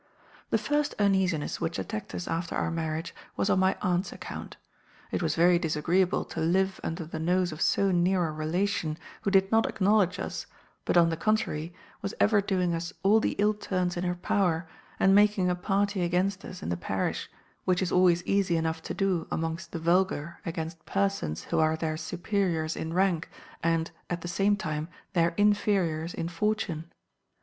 "The first uneasiness which attacked us after our marriage was on my aunt's account. It was very disagreeable to live under the nose of so near a relation, who did not acknowledge us, but on the contrary, was ever doing us all the ill turns in her power, and making a party against us in the parish, which is always easy enough to do amongst the vulgar against persons who are their superiors in rank, and, at the same time, their inferiors in fortune.